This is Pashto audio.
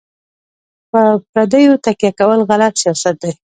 په پردیو تکیه کول غلط سیاست دی.